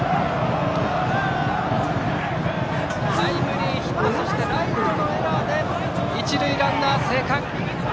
タイムリーヒットそしてライトのエラーで一塁ランナー、生還。